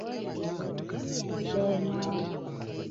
Yiiiii ensi eno!